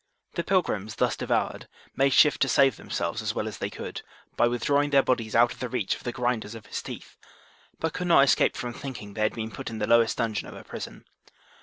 The pilgrims, thus devoured, made shift to save themselves as well as they could, by withdrawing their bodies out of the reach of the grinders of his teeth, but could not escape from thinking they had been put in the lowest dungeon of a prison.